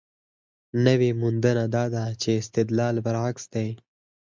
نوې موندنه دا ده چې استدلال برعکس دی.